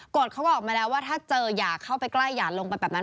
กฎเขาบอกมาแล้วว่าถ้าเจออย่าเข้าไปใกล้อย่าลงไปแบบนั้น